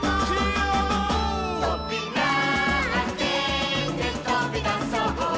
「とびらあけてとびだそう」